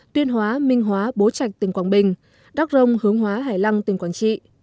tuyên hóa minh hóa bố trạch tỉnh quảng bình đắk rông hướng hóa hải lăng tỉnh quảng trị